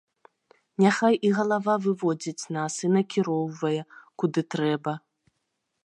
Няхай іх галава выводзіць нас і накіроўвае, куды трэба.